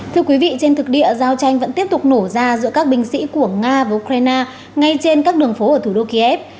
thưa quý vị trên thực địa giao tranh vẫn tiếp tục nổ ra giữa các binh sĩ của nga và ukraine ngay trên các đường phố ở thủ đô kiev